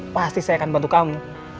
pasti saya akan bantu kamu